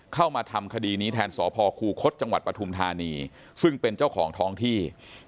เข้ามาทำคดีนี้แทนสพคูคศจังหวัดปฐุมธานีซึ่งเป็นเจ้าของท้องที่